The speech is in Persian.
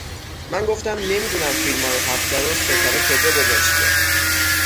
من گفتم نمی دونم فیلمای هفته رو ستاره کجا گذاشته